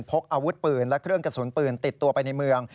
พกอาวุธปืนและเครื่องกระสุนปืนติดตัวไปในเมือง